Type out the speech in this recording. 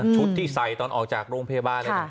ชุดที่ใส่ตอนออกจากโรงเพศบ้าน